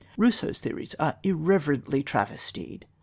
Rousseau's theories are irreverently travestied.